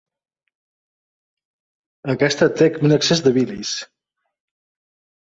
Aquesta té un excés de bilis.